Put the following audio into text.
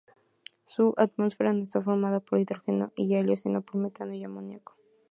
Su atmósfera no está formada por hidrógeno y helio, sino por metano y amoníaco.